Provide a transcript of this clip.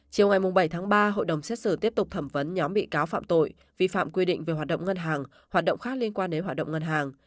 chiều ngày bảy tháng ba hội đồng xét xử tiếp tục thẩm vấn nhóm bị cáo phạm tội vi phạm quy định về hoạt động ngân hàng hoạt động khác liên quan đến hoạt động ngân hàng